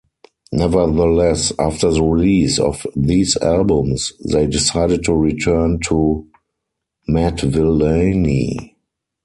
Nevertheless, after the release of these albums, they decided to return to "Madvillainy".